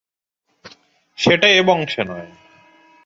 সেটা এ বংশে নয়।